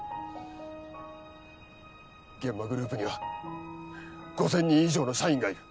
諫間グループには５，０００人以上の社員がいる。